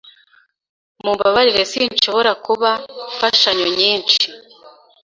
Mumbabarire sinshobora kuba mfashanyo nyinshi.